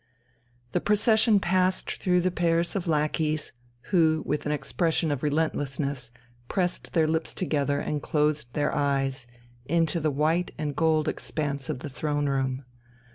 The procession passed through the pairs of lackeys, who, with an expression of relentlessness, pressed their lips together and closed their eyes, into the white and gold expanse of the Throne room.